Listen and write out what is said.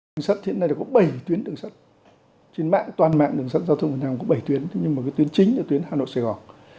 đường sắt hiện nay là có bảy tuyến đường sắt trên mạng toàn mạng đường sắt giao thông việt nam có bảy tuyến nhưng mà cái tuyến chính là tuyến hà nội sài gòn